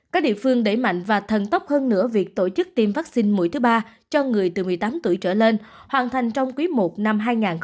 các địa phương đẩy mạnh và thần tốc hơn nữa việc tổ chức tiêm vaccine mũi thứ ba cho người từ một mươi tám tuổi trở lên hoàn thành trong quý i năm hai nghìn hai mươi